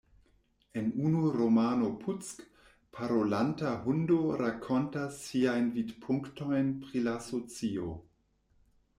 En unu romano, "Puck", parolanta hundo rakontas siajn vidpunktojn pri la socio.